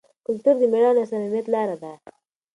کلتور د مېړانې او صمیمیت لاره ده.